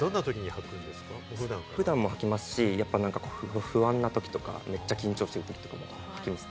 普段もはきますし、不安なときとか、めっちゃ緊張してるときとかはきます。